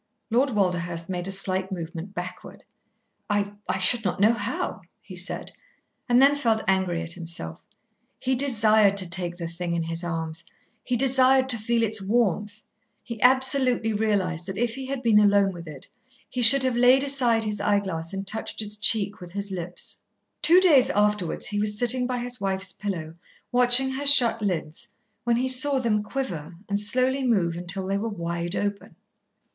Lord Walderhurst made a slight movement backward. "I I should not know how," he said, and then felt angry at himself. He desired to take the thing in his arms. He desired to feel its warmth. He absolutely realised that if he had been alone with it, he should have laid aside his eyeglass and touched its cheek with his lips. Two days afterwards he was sitting by his wife's pillow, watching her shut lids, when he saw them quiver and slowly move until they were wide open.